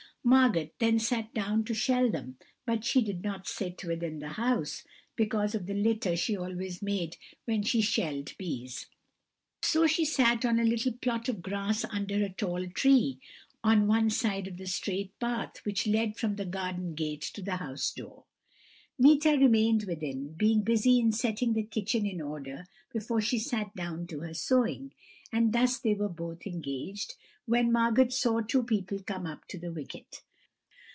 Margot then sat down to shell them, but she did not sit within the house, because of the litter she always made when she shelled peas; so she sat on a little plot of grass under a tall tree, on one side of the straight path which led from the garden gate to the house door. Meeta remained within, being busy in setting the kitchen in order before she sat down to her sewing; and thus they were both engaged, when Margot saw two people come up to the wicket.